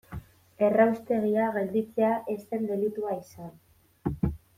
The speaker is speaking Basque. Erraustegia gelditzea ez zen delitua izan.